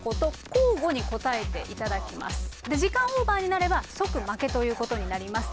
時間オーバーになれば即負けということになります。